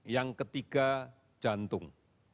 yang ketiga jantung